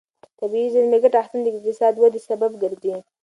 د طبیعي زېرمې ګټه اخیستنه د اقتصادي ودې سبب ګرځي.